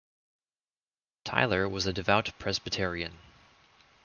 Tyler was a devout Presbyterian.